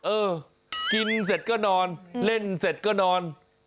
เออกินเสร็จก็นอนเล่นเสร็จก็นอน